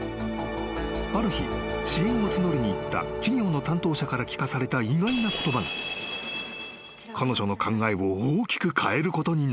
［ある日支援を募りに行った企業の担当者から聞かされた意外な言葉が彼女の考えを大きく変えることになる］